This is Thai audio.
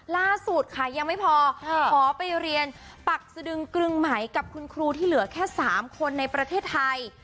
ล่าสุดค่ะยังไม่พอขอไปเรียนปักสดึงกึงไหมกับคุณครูที่เหลือแค่๓คนในประเทศไทย